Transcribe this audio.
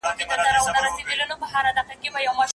کار چي څوک بې استاد وي بې بنیاد وي.